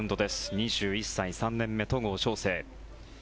２１歳、３年目、戸郷翔征。